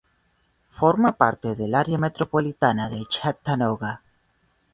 Forma parte del área metropolitana de Chattanooga.